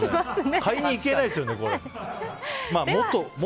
買いに行けないですよね。